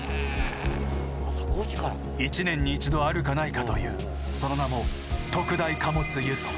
一年に一度あるかないかというその名も特大貨物輸送。